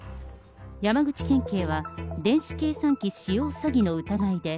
山口県警は、電子計算機使用詐欺の疑いで、